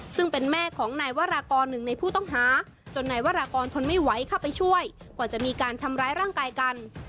ซึ่งเป็นแม่ของนายวรากรหนึ่งในผู้ต้องหาจนนายวรากรทนไม่ไหวเข้าไปช่วยกว่าจะมีการทำร้ายร่างกายกัน